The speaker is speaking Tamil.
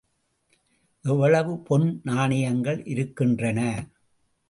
எவ்வளவு பொன் நாணயங்கள் இருக்கின்றன.